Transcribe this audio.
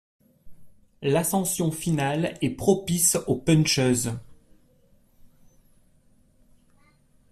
L'ascension finale est propice aux puncheuses.